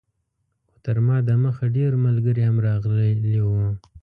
خو تر ما دمخه ډېر ملګري هم راغلي وو.